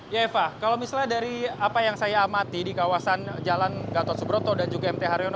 ya eva kalau misalnya dari apa yang saya amati di kawasan jalan gatot subroto dan juga mt haryono